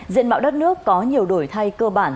diện mạo đất nước có nhiều đổi thay cơ bản